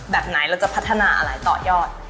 แบบไหนเราจะพัฒนาอะไรต่อยอด